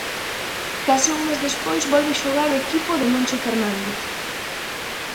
Case un mes despois volve xogar o equipo de Moncho Fernández.